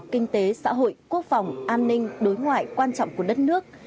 kinh tế xã hội quốc phòng an ninh đối ngoại quan trọng của đất nước